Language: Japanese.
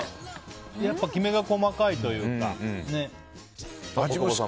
やっぱりきめが細かいというか。